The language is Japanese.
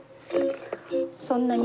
そんなに。